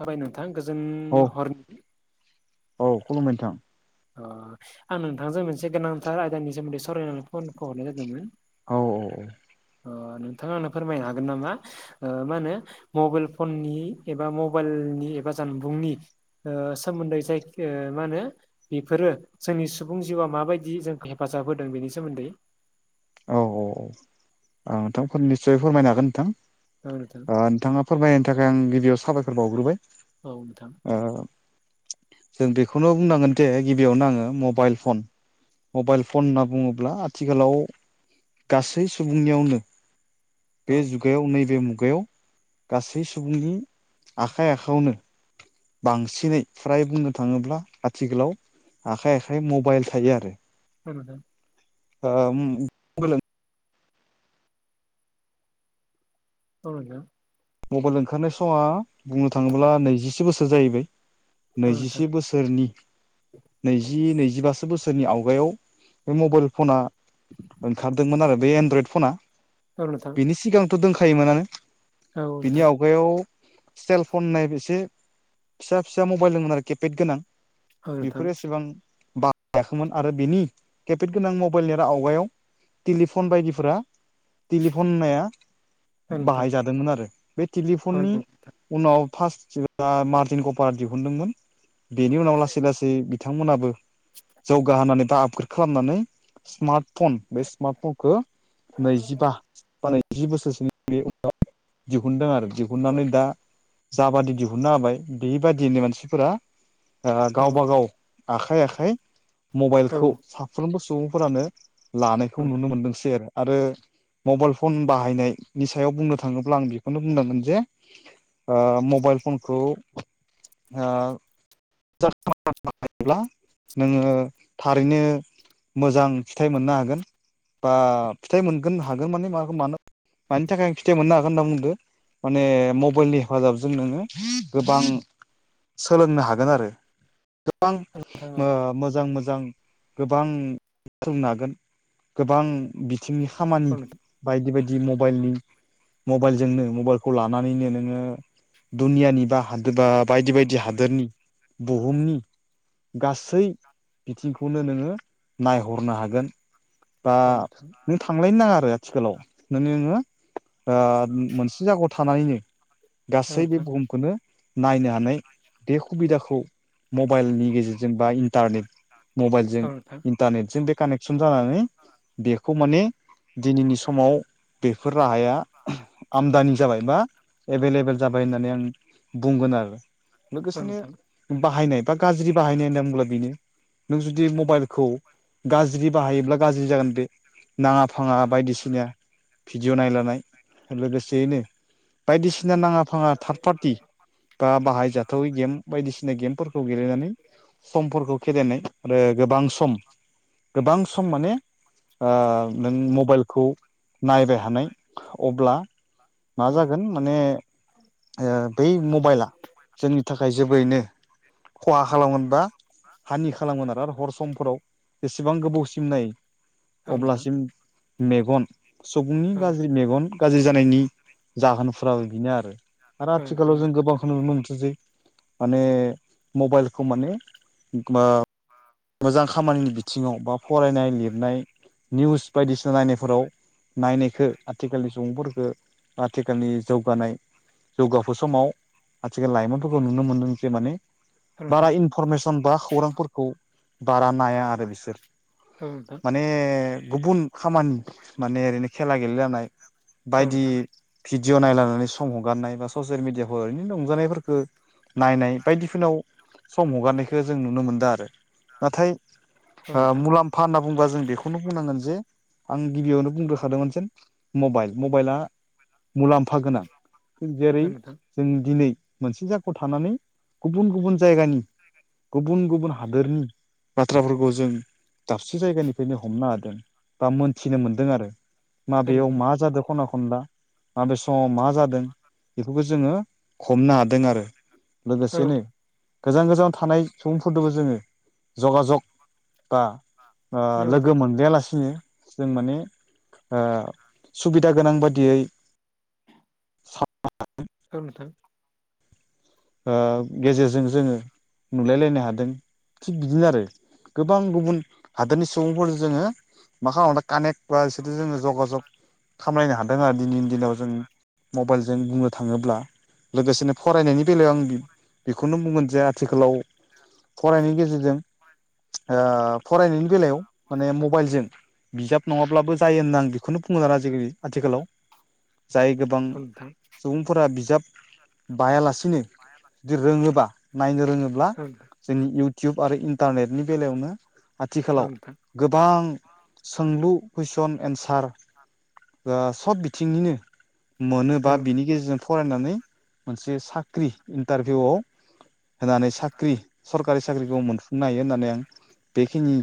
हाबाय नोंथां गोजोन औ हरनि औ खुलुमबाय नोंथां। अ आं नोंथांजों मोनसे गोनांथार आयदानि सोमोन्दै सावरायनानै फनखौ हरनाय जादोंमोन औ औ औ अ नोंथाङा आंनो फोरमायनो हागोन नामा मा होनो मबाइल फननि एबा मबाइलनि एबा जानबुंनि सोमोन्दै जायखि मा होनो बेफोरो जोंनि सुबुं जिउआ माबायदि जोंखौ हेफाजाब होदों बेनि सोमोन्दै औ औ औ नोंथां खोननैसो फोरमायनो हागोन नोंथां औ नोथां ओ नोंथाङा फोरमायनि थाखाय आं गिबियाव साबायखर बावग्रोबाय औ नोंथां जों बेखौनो बुंनांगोन जे गिबियावनो आङो मबाइल फन मबाइल फन होनना बुङोब्ला आथिखालाव गासै सुबुंनियावनो औ बे जुगायाव नैबे मुगायाव गासै सुबुंनि आखाइ आखायावनो बांसिनै फ्राय बुंनो थाङोब्ला आथिखालाव आखाइ आखाइ मबाइल थायो आरो [unintelligible] ओ उम औ नोंथां मबाइल ओंखारनाय समा बुंनो थाङोब्ला नैजिसे बोसोर जाहैबाय औ नोंथां नैजिसे बोसोर बोसोरनि नैजि नैजिबासो बोसोरनि आवगायाव बे मबाइल फना ओंखारदोंमोन आरो बे एनड्रयड फना औ नोंथां बिनि सिगांथ' दंखायोमोनानो औ बिनि नोंथां आव मुगायाव सेलफन होननाय एसे फिसा फिसा मबाइल दंमोन आरो केपेद गोनां औ नोंथां बेफोरो एसेबां बां जायाखैमोन आरो बेनि केपेट गोनां मबाइल आवगायाव टेलिफन बायदिफोरा टेलिफन होननाया बाहायजादोंमोन आरो बे औ नोंथां औ नोंथां औ टेलिफननि नोंथां उनाव फार्स्ट मार्तिन कपारा दिहुनदोंमोन बेनि उनाव लासै लासै बिथांमोनाबो जौगाहोनानै बा आपग्रेड खालामनानै स्मार्ट फन बे स्मार्ट फनखौ नैजिबा बा नैजि बोसोरसनि बे दिहुनदों आरो दिहुननानै दा जाबादि दिहुनना होबाय बेबायादियैनो मानसिफोरा औ औ गावबागाव आखाइ आखाइ औ मबाइलखौ साफ्रोमबो सुबुंफोरानो लानायखौ नुनो मोनदों सै आरो मबाइल फन बाहायनायनि सायाव बुंनो थाङोब्ला आं बेखौ बेखौनो बुंनांगोन जे ओ मबाइल फनखौ ओ [unintelligible] थायोब्ला नोङो थारैनो मोजां फिथाइ मोननो हागोन बा फिथाइ मोनगोन हागोन माने मा मानो मानि थाखाय आं फिथाइ मोननो हागोन होनना बुंदों माने मबाइलनि हेफाजाबजों नोङो गोबां सोलोंनो हागोन आरो गोबां नोंथां ओ औ मोजां मोजां गोबां नागोन गोबां बिथिंनि खामानि नोंथां बायदि बायदि मबाइलनि मबाइलजोंनो मबाइलखौ लानानैनो नोङो दुनियानि बा हादोर बा बायदि बायदि हादोरनि बुहुमनि गासै बिथिंखौनो नोङो नायहरनो हागोन बा औ नोंथां नों थांलायनो नाङा आरो आथिखालाव मे नोङो मोनसे जायगायाव औ गासै बे नोंथां बुहुमखौनो नायनो हानाय बे सुबिदाखौ मबाइलनि गेजेरजों बा इन्टारनेट मबाइलजों औ नोंथां इन्टारनेटजों बे कानेकसन जानानै बेखौ माने दिनैनि समाव बेफोर राहाया आदानि जाबाय मा एभेलेबेल जाबाय होननानै आं बुंगोन आरो औ नोंथां लोगो बाहायनाय बा गाज्रि बाहायनाय होनदों बुंब्ला बेनो नों जुदि मबाइलखौ गाज्रि बाहायोब्ला गाज्रि जागोन [unintelligible] फाङा बायदिसिना भिडिअ' नायला नायलि लोगोसेयैनो बायदिसिना नाङा फाङा थार्ड पार्टि बा बाहायजाथावै गेम बायदिसिना गेमफोरखौ गेलेनानै समफोरखौ खेलेनाय आरो ओ गोबां सम गोबां सम माने ओ नों मबाइलखौ नांलाया थानाय अब्ला मा औ जागोन। माने ओ बै मबाइला जोंनि थाखाय जोबोरैनो खहा खालामगोन बा हानि खालामगोन आरो हर समफोराव जेसेबां गोबावसिम नायो औ नोंथां अब्लासिम मेगन सुबुंनि औ गाज्रि मेगन गाज्रि जानायनि जाहोनफोराबो बिनो आरो नोंथां आथिखालाव जों गोबांखौ नुनो मोनसै माने मबाइलखौ माने ओ मोजां खामानिनि बिथिङाव बा फरायनाय लिरनायनि निउस बायदिसिना नायनायफोराव नायनायखौ आथिखालनि सुबुंफोरफोरखौ आथिखालनि जौगानाय जौगाफु समाव आथिखाल लाइमोनफोरखौ नुनो मोनदों जे माने औ नोंथां बारा इनफरमेसन बा खौरांफोर बारा नाया आरो बिसोर औ नोंथां मा माने गुबुन खामानि माने ओरैनो खेला गेलेलनाय औ नोंथां औ बायदि नोंथां भिडिअ नायलनानै सम हगारनाय बा ससियेल मिडियाफोराव ओरैनो रंजानायफोरखौ नायनाय बायदिफोरनाव सम हगारनायखौ जों नुनो मोनदों आरो नाथाय। औ नोंथां मुलाम्फा होनना बुंबा जों बेखौनो बुंनांगोन जे आं गिबियावनो बुंग्रोखादोंमोनसिन मबाइल मबाइला मुलाम्फा गोनां जेरै औ नोंथां जों दिनै मोनसे जायगायाव थानानै गुबुन गुबुन जायगानि गुबुन गुबुन हादर हादोरनि बाथ्राफोरखौ जों दाबसे जायगानिफ्रायनो हमनो हादों। बा मोनथिनो मोनदों आरो औ माबेायाव मा जादों। खनला माबे समाव मा जादों बेखौफोरखौ जोङो हमनो हा जादों आरो औ लोगोसेनो गोजान गोजानाव थानाय सुबुंफोरजोंबो जोङो। जगाजग बा ओ लोगो मोनलायालासिनो जों माने सुबिदा गोनां बादियै [unintelligible] औ नों गेजेरजों जोङो नुलायलायनो हादों। थिग बिदिनो आरो गोबां ओ गुबुन हादोरनि सुबुंफोरजों जोङो माखामो कानेक बा जगाजग खामलायनो हादों आरो दिनैनि दिनाव जों मबाइलजों बुंनो थाङोब्ला लोगोसेनो फरायनायनि बेलायाव आं बेखौनो बुंगोन जे आथिखालाव फरायनायनि गेजेरजों ओ फरायनायनि बेलायाव माने मबाइलजों बिजाब नङाब्लाबो जायो होनना आं सान बेखौनो बुंलाना आथिखालाव ओ जाय गोबां नोंथां सुबुंफोरा बिजाब बायालासिनो [unintelligible] जुदि रोङोबा नायनो रोङोब्ला जोंनि इउटुब आरो इन्टारनेटनि बेलायावनो औ आथिखालाव नोंथां गोबां सोंलु कुइसन एन्सार ओ सब बिथिंनिनो मोनोबा औ बिनि गेजेरजों फरायनानै मोनसे साख्रि इन्टारभिउआव होनानै साख्रि सरकारि साख्रिखौ मोनफुंनो हायो होननानै आं बेखिनि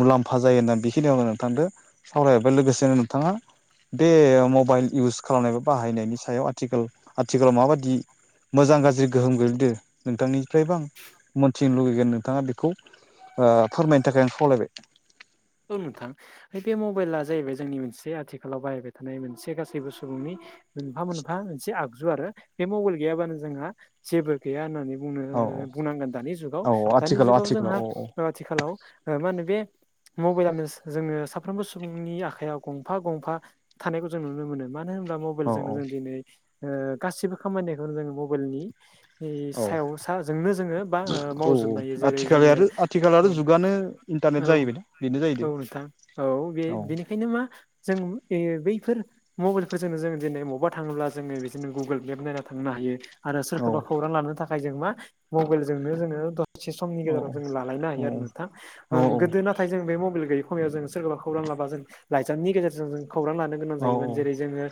मुलाम्फा जायो होननानै बेखिनियावनो नोंथांजों सावरायहरबाय लोगोसेनो नोंथाङा बे मबाइल इउस खालामनाय बा बाहायनायनि सायाव आथिखाल आथिखालाव माबादि मोजां गाज्रि गोहोम गोगलैदों नोंथांनिफ्रायबो आं मोनथिनो लुुबैगोन नोंथाङा बेखौ फोरमायनो थाखाय आं खावलायबाय औ नोंथां बे मबाइला जाहैबाय जोंनि मोनसे आथिखालाव बाहायबाय थानाय मोनसे गासैबो सुबुंनि मोनफा मोनफा मोनसे आगजु आरो बे मबाइल गैयाबानो जोंहा जेबो गैया होननानै बुंनो औ बुंनांगोन दानि जुगाव औ दानि आथिखालाव जुगाव आथिखालाव जोंहा औ आथिखालाव मा होनो बे मबाइलनो जोंङनो साफ्रोमबो सुबुंनि आखाइायाव गंफा गंफा थानायखौ जों नुनो मोनो मानो होनोबब्ला मबे मबाइल औ जोंनो जों दिनै गासिबो खामानिखौनो जों मबाइलनि औ सायाव साजोंनो जोङो बा औ मावजोबनो हायो जेरै आथिखाल जोङो आरो आथिखाल आरो औ जुगानो इन्टारनेट औ जाहैबाय ना औ नोंथां औ बे बेनिखायनो मा जों बैफोर मबाइलफोरजोंनो जों जों दिनै बबावबा थाङोब्ला जोङो बिदिनो गुगोल मेप नायना थांनो हायो आरो औ सोरखौबा खौरां लानो थाखाय जों मा मबाइलजोंनो जोङो से समनि औ गेजेराव जों लालायनो हायो आरो नोंथां औ गोदो नाथाय बे मबाइल गैया समाव सोरखौबा खौरां लाबा जों लाइनि गेजेरों खौरां लानो गोनां औ जायोमोन जेरै जोङो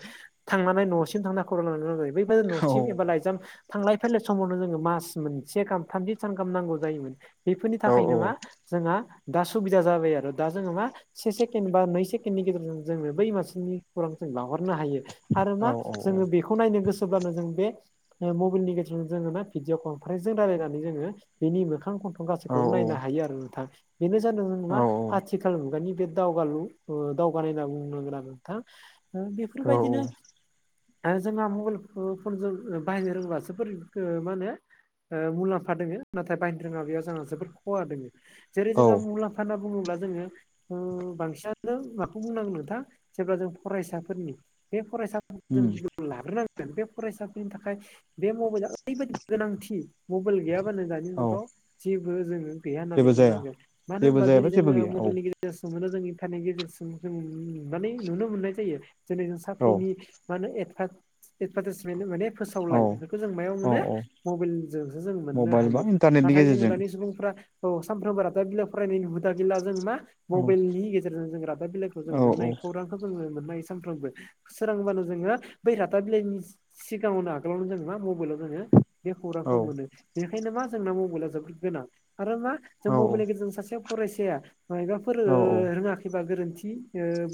थांनानै न'सिम थांना खौरां लानो गोनां जायो बैबि औ न'सिम एबा लाइजाम थांलाय फैलाय समावनो जोङो मास मोनसे गाहाम थामजि थाम गाहाम नांगौ जायोमोन बेफोरनि औ थाखायनो मा जोंहा दा सुबिदा जाबाय आरो दा जोङो मा से सेकेण्ड बा नै सेकेण्डनि गेजेरजों जोङो बै मानसिनि खौरां जों लाहरनो हायो आरो मा जोङो बेखौ नायनो गोसोब्लानो जों बे मबाइलनि गेजेरजों जोङो ना भिडिअ कनफारेन्स जों रायलायनानै जोङो बिनि मोखां गन्थं गासिखौबो नायनो हायो आरो नोंथां बेनो जादों नङा आथिखाल मुगानि बे दावगानाय होनना बुंनांगोना नोंथां औ बेफोरबायदिनो जोंहा मबाइल फनजों बाहायनो रोङोबासो बोरै मा होनो मुलाम्फा दोङो नाथाय बाहायनो रोङाबा बेयाव जोंहा जोबोद खहा दङ जेरै औ जोंहा मुलाम्फा होनना बुङोब्ला जोङो बांसिनानो माखौ बुंनांगोन नोंथां जेब्ला जों फरायसाफोरनि बे फरायसा उम जों लाग्रोनांगोन बे फरायसाफोरनि थाखाय बे मबाइला ओरैबायाददि गोनांथि मबाइल गैयाबा दानि औ जेबो जोङ गैया होननानै जेबो जाया बुंनांगोन मानो जेबो होनब्ला जायाबा दिनै जेबो जोङो गैया औ मबाइलनि गेजेराव मोनो जों इन्टारनेनि गेजेरजों जों नुनानै नुनो मोननाय जायो जेरै जों औ साफ्रिनि मा होनो एदभार्टाइसमेन्ट माने औ फोसावलाय बेफोरखौ जों मायाव औ मोनो औ मबाइलजोंसो जों मोननो मबाइल बा हायो इन्टारनेटनि नाथाय जोंडो गेजेरजों दानि सुबुंफोरा औ सानफ्रोमबोर दा रादाब बिलाइ फरायनायनि हुदा गैला जों मा औ मबाइलनि गेजेरजों जों रादाब बिलाइखौ जों औ मोननाय खौरांखौ जोङो मोननाय सानफ्रोमबो सोरांब्लानो जोङो बै रादाब बिलाइनि सिगाङावनो आगोलावनो जोङो मा मबाइलाव जोङो बे औ खौरांखौ मोनो बेनिखायनो मा जोंना मबाइला जोबोद गोनां आरो मा जों औ मबाइलनि गेजेरजों सासे फरायसाया मबाफोर औ रोङाखैबा गोरोन्थि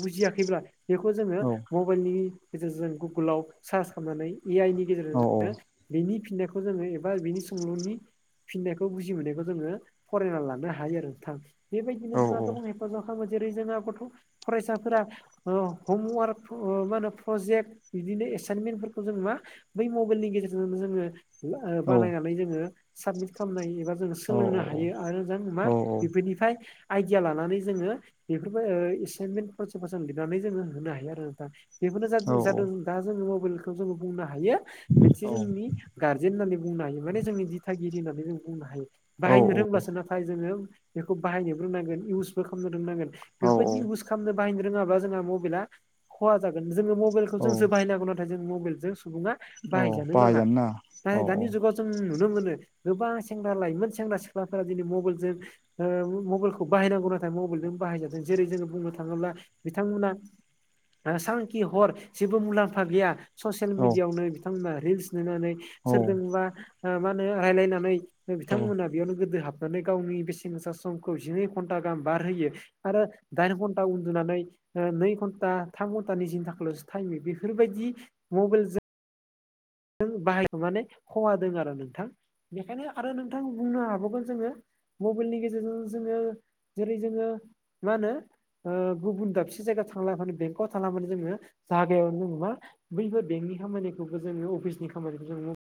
बुजियाखैब्ला बेखौ जोङो औ मबाइलनि गेजेरजों गुगोलाव सार्च खालामनानै ए आइ नि गेजेरजों औ जोङो बिनि फिननायखौ जोङो एबा बिनि सोंलुनि फिननायखौ बुजि मोननायखौ जोङो फरायना लानो हायो आरो नोंथां बेबायदिनो जोंहा गोबांहाय ज' खालामो जेरै जोंहा गथ' फरायसाफोरा हमवार्क मा होनो प्रजेक्ट बिदिनो एसाइनमेन्टफोरखौ जों मा बै मबाइलनि गेजेरजोंनो जोङो बानायनानै जोङो साबमिट खालामनो ह एबा जो औ सोलोंनो हायो आरो जों मा बेफोरनिफ्राय आइडिया लानानै जोङो बेफोरबो एसाइनमेन्ट फरसाफोर जों लिरनानै जोङो होनो हायो आरो नोंथां बेफोरनो जादों दा जोङो मबाइलखौ जोङो बुंनो हायो मोनसे जोंनि गार्जेन होननानै बुंनो हायो माने जोंनि दिथागिरि होननानै जों बुंनो हायो औ बाहायनो रोंब्लासो नाथाय जोङो बेखौ बाहायनोबो रोंनांगोन इउसबो खालामनो रोंनांगोन औ बेफोरबायदि इउस खालामनो बाहायनो रोङाबा जोंहा मबाइला खहा जागोन जोङो मबाइलखौ औ जोंसो बाहायनांगौ नाथाय मबाइलजों सुबुं आ बाहायजानो नाङा औ औ दानि जुगाव जों नुनो मोनो गोबां सेंग्रा लाइमोन सेंग्रा सिख्लाफोरा दिनै मबाइलजों मबाइलखौ बाहायनांगौ नाथाय मबाइलजों बाहायजादों जेरै जोङो बुंनो थाङोब्ला बिथांमोना सान खि हर जेबो मुलाम्फा गैया ससियेल औ मिडियाआवनो बिथांमोना रिल्स नायनानै औ सोरजोंबा मा होनो रायलायनानै औ बिथांमोना बेयावनो गोदो हाबनानै गावनि बेसेन गोसा समखौ जिनै घन्टा गाहाम बारहोयो आरो दाइन घन्टा उन्दुनानै नै घन्टा थाम घन्टानि जिन थाखायल'सो टाइम बेफोरबायदि मबाइलजों जों बाहाय माने खहा दों आरो नोंथां बेखायनो आरो नोंथां बुंनो हाबावगोन जोङो मबाइलनि गेजेरजों जोङो जेरै जोङो मा होनो गुबुन दाबसे जायगायाव थांङालाबानो बेंकआव थांङालाबानो जोङो जायगायावनो जोङो मा बैफोर बेंकनि खामानिखौबो जोङो अफिसनि खामानिखौ जों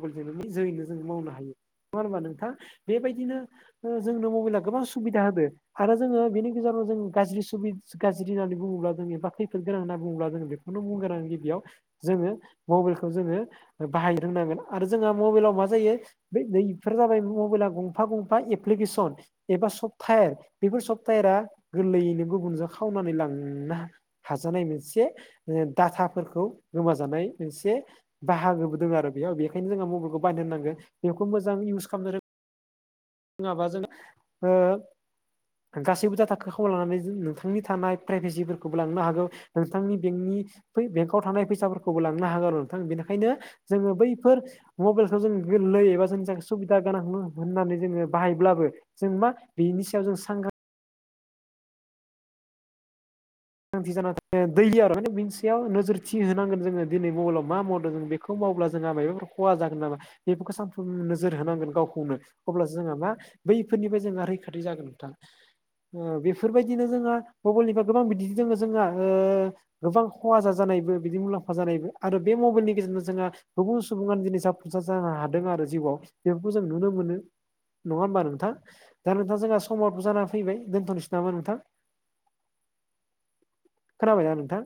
[unintelligible] जोंनिखौ जोङो मावनो हायो नङा होमबा नोंथां बेबायदिनो जोंनो मबाइला गोबां सुबिदा होदों आरो जोङो बेनि गेजेराव जों गाज्रि सुबि गाज्रि होननानै बुङोब्ला जों एबा खैफोद गोनां होनना बुङोब्ला जों बै खौनो बुंगोन आं गिबियाव जोङो मबाइलखौ जोङो बाहायनो रोंनांगोन आरो जोंहा मबाइलाव मा जायो बैफोर जाबाय मबाइला गंफा गंफा एप्लिकेसन एबा सफ्टायार बेफोर सफ्थायारा गोरलैयैनो गुबुनजों खावनानै लांनो हा हाजानाय मोनसे डाटाफोरखौ गोमाजानाय मोनसे बाहागोबो दं आरो बेयाव बेखायनो जों मबाइलखौ बायनो रोंनांगोन बेखौ मोजां इउस खालामनो रों ङाबा जोङो ओ गासैबो डाटाखौ खावना लानानै नोंथांनि थानाय प्राइभेसिफोरखौबो लांनो हागौ नोंथांनि बेंकनि बेंकआव थानाय फैसाफोरखौबो लांनो हागौ आरो नोंथां बेनिखायनो जोङो बैफोर मबाइलखौ जों गोरलै एबा जोंनि थाखाय सुबिदा गोनां होननानै जोङो बाहायब्लाबो जों मा बेनि सायाव जों सांग्रां थि जाना दैलि आरो मोनसेयाव नोजोर थि होनांगोन जोङो दिनै मबाइलाव मा मावदों जों बे [unintelligible] खौ मावब्ला जोंहा मायबाफोर खहा जागोन नामा बेफोरखौ सानफ्रोम नोजोर होनांगोन गावखौनो अब्लासो जोंहा मा बैफोरनिफ्राय जोंहा रैखाथि जागोन नोंथां ओ बेफोरबायदिनो जोंहा मबाइलनिफ्राय गोबां बिदि जोङो जोंहा ओ गोबां खहा जाजानायबो बिदि मुलाम्फा जानायबो आरो बे मबाइलनि गेजेरजों जोंहा गुबुन सुबुङानो दिनै जाफुंसार जानो हादों आरो जिउआव बेफोरखौ जों नुनो मोनो नङा होमबा नोंथां दा नोंथां जोंहा समावथ' जाना फैबाय दोनथ'नोसै नामा नोंथां खोनाबाय ना नोंथां